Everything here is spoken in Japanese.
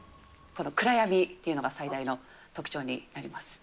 暗闇というのが最大の特徴になります。